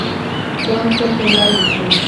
پړانګ تل تیار اوسي.